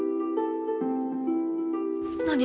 何？